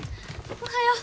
おはよう。